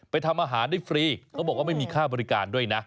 ทำอาหารได้ฟรีเขาบอกว่าไม่มีค่าบริการด้วยนะ